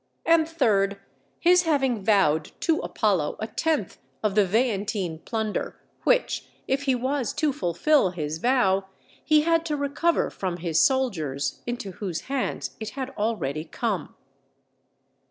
And, third, his having vowed to Apollo a tenth of the Veientine plunder, which, if he was to fulfil his vow, he had to recover from his soldiers, into whose hands it had already come.